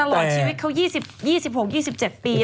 แต่อร่อยชีวิตเขา๒๖๒๗ปี